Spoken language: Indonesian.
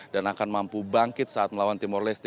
dan akan mampu bangkit saat melawan timor leste